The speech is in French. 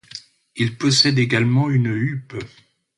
Il possède également une huppe.